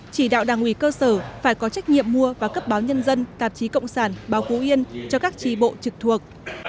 chỉ đạo đảng ủy cơ sở phải có trách nhiệm mua và cấp báo nhân dân tạp chí cộng sản báo phú yên cho các tri bộ trực thuộc